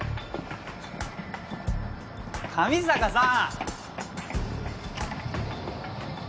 上坂さん！